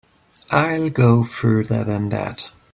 I'll go further than that.